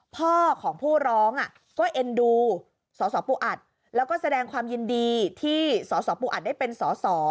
พ่อของผู้ร้องก็เอ็นดูสสปูอัดแล้วก็แสดงความยินดีที่สสปูอัดได้เป็นสอสอ